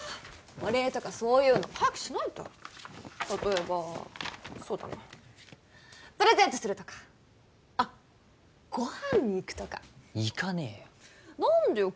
お礼とかそういうの早くしないと例えばそうだなプレゼントするとかあっご飯に行くとか行かねえよ何でよ